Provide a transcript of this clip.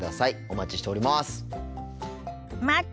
お待ちしております。